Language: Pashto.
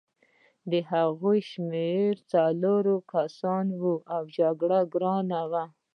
د هغوی شمېر څلور کسان وو او جګړه ګرانه وه